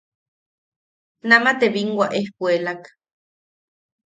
Nama te biinwa ejkuelak.